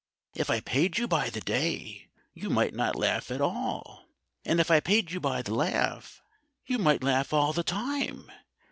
If I paid you by the day you might not laugh at all. And if I paid you by the laugh you might laugh all the time....